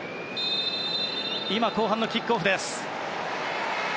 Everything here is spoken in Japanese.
今、後半のキックオフです。